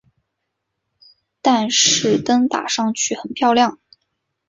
但是灯打上去很漂亮